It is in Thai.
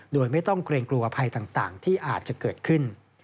โดยไม่ต้องเกรงกลัวภัยต่างที่อาจจะเกิดขึ้น